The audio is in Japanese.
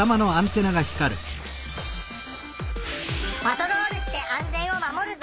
パトロールして安全を守るぞ！